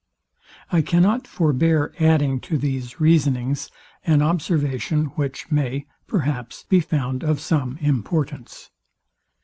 I cannot forbear adding to these reasonings an observation, which may, perhaps, be found of some importance.